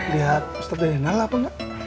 lihat ustadz jena lah apa enggak